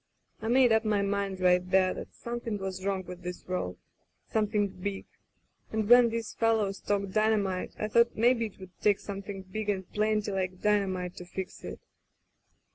I made up my mind right there that some thing was wrong with this world — ^something big, and when these fellows talked dynamite, I thought maybe it would take something big and plen^ like dynamite to fix it.